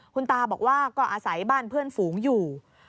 คุณตาบอกว่าก็อาศัยบ้านเพื่อนฝูงอยู่